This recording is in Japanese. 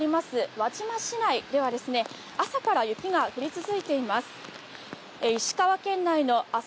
輪島市内では朝から雪が降り続いています。